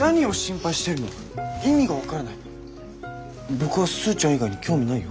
僕はスーちゃん以外に興味ないよ？